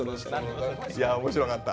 いや面白かった。